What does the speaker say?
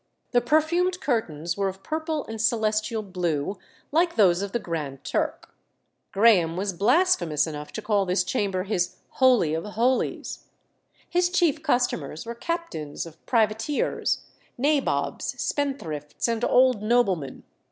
The perfumed curtains were of purple and celestial blue, like those of the Grand Turk. Graham was blasphemous enough to call this chamber his "Holy of Holies." His chief customers were captains of privateers, nabobs, spendthrifts, and old noblemen.